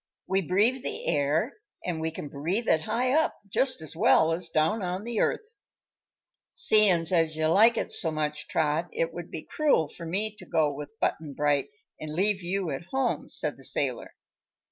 We breathe the air, an' we can breathe it high up, just as well as down on the earth." "Seein' as you like it so much, Trot, it would be cruel for me to go with Butt'n Bright an' leave you at home," said the sailor.